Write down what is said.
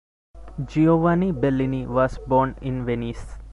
Giovanni Bellini was born in Venice.